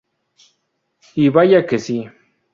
Y vaya que si.